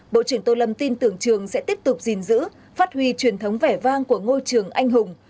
bộ trưởng tô lâm tin tưởng trường sẽ tiếp tục gìn giữ phát huy truyền thống vẻ vang của ngôi trường anh hùng